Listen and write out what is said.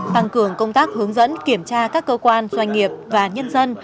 tăng cường công tác hướng dẫn kiểm tra các cơ quan doanh nghiệp và nhân dân